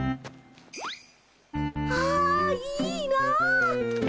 あいいな。